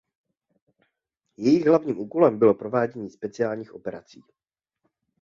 Jejich hlavním úkolem bylo provádění speciálních operací.